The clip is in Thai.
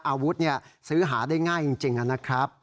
อาวุธซื้อหาได้ง่ายจริงนะครับ